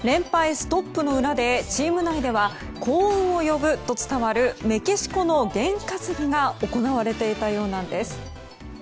ストップの裏でチーム内では幸運を呼ぶと伝わるメキシコの験担ぎが行われていたようなんです。